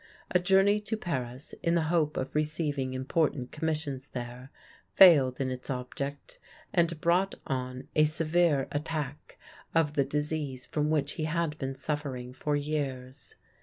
A journey to Paris, in the hope of receiving important commissions there, failed in its object, and brought on a severe attack of the disease from which he had been suffering for years.